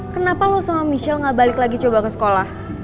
kenapa lo sama michelle gak balik lagi coba ke sekolah